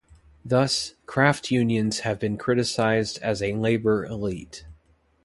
Thus, craft unions have been criticized as a labor elite.